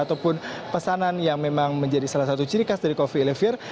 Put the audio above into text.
ataupun pesanan yang memang menjadi salah satu ciri khas dari coffe olivier